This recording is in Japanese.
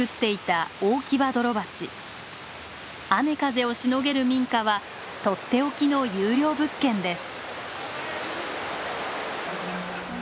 雨風をしのげる民家はとっておきの優良物件です。